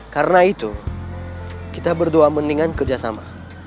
karena itu kita berdua mendingan kerjasama